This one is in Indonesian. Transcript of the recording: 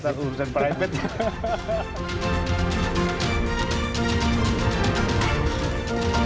pasal urusan private ya